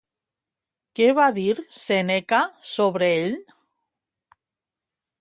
Què va dir Sèneca sobre ell?